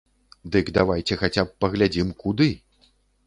Дык давайце хаця б паглядзім, куды.